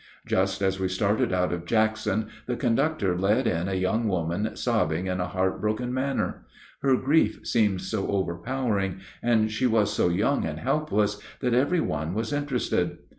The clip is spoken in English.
Just as we started out of Jackson the conductor led in a young woman sobbing in a heartbroken manner. Her grief seemed so overpowering, and she was so young and helpless, that every one was interested.